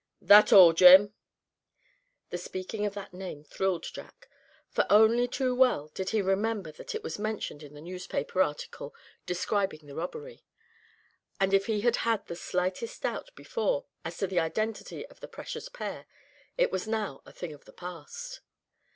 "That all, Jim?" The speaking of that name thrilled Jack, for only too well did he remember that it was mentioned in the newspaper article describing the robbery; and if he had had the slightest doubt before as to the identity of the precious pair, it was now a thing of the past.